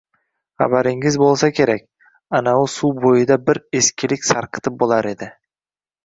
— Xabarlaringiz bo‘lsa kerak, anavi suv bo‘yida bir... eskilik sarqiti bo‘lar edi.